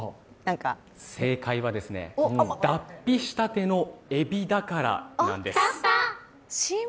正解はですね、脱皮したてのえびだから、なんです。